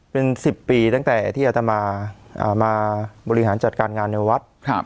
เป็น๑๐ปีตั้งแต่ที่อาตมามาบริหารจัดการงานในวัด